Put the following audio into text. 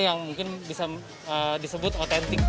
yang mungkin bisa disebut makanan yang lebih baik